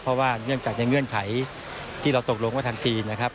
เพราะว่าเนื่องจากในเงื่อนไขที่เราตกลงว่าทางจีนนะครับ